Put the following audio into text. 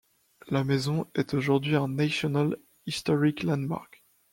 La maison est aujourd'hui un National Historic Landmark.